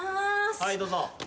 はいどうぞ。